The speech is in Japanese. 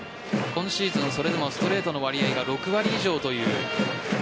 今シーズン、それでもストレートの割合が６割以上という。